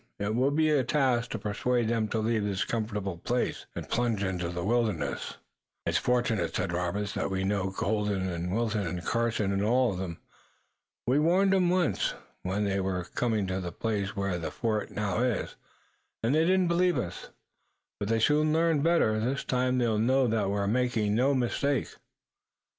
It will be a task to persuade them to leave this comfortable place and plunge into the wilderness." "It's fortunate," said Robert, "that we know Colden and Wilton and Carson and all of them. We warned 'em once when they were coming to the place where the fort now is, and they didn't believe us, but they soon learned better. This time they'll know that we're making no mistake."